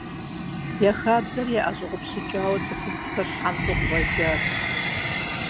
Я хабзэри яӀэщӀэгъупщыкӀауэ, цӀыхубзхэр щхьэпцӀэу къыщӀэжат.